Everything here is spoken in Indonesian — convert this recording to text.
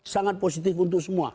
sangat positif untuk semua